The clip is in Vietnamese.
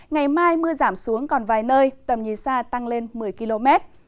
ngày mai mưa giảm xuống còn vài nơi tầm nhìn xa tăng lên một mươi km